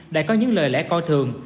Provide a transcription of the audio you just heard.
đã có những lời lẽ coi thường